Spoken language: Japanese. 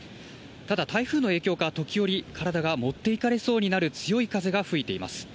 ただ台風の影響か時折、体が持っていかれそうになる強い風が吹いています。